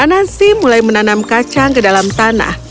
anasi mulai menanam kacang ke dalam tanah